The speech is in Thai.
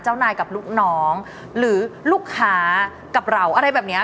เจ้านายกับลูกน้องหรือลูกค้ากับเราอะไรแบบเนี้ย